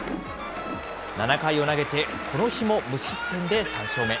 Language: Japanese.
７回を投げてこの日も無失点で３勝目。